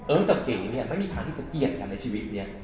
เอิ๊กกับเก๋เนี่ยไม่มีทางที่จะเกียรติกันในชีวิตเนี่ย